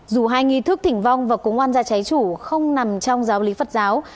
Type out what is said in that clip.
dù hai nghi thức thỉnh vong và cúng an gia trái chủ không nằm trong giáo lý phật giáo